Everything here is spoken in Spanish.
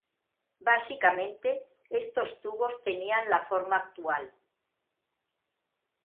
Básicamente, estos tubos tenían la forma actual.